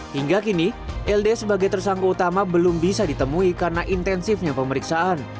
hingga kini ld sebagai tersangka utama belum bisa ditemui karena intensifnya pemeriksaan